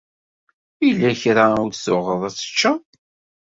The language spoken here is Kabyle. Yella kra i d-tuɣeḍ ad t-teččeḍ?